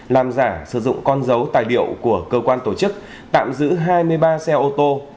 làm giả sử dụng con dấu tài liệu của cơ quan tổ chức tạm giữ hai mươi ba xe ô tô